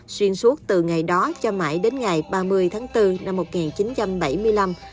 xuyên suốt từ ngày đó cho mãi đến ngày ba mươi tháng bốn năm một nghìn chín trăm bảy mươi năm